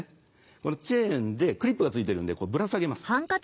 このチェーンでクリップが付いてるんでぶら下げます。